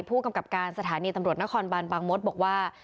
ผู้กำกับการสถานีตำรวจนครบานบางมดบอกว่า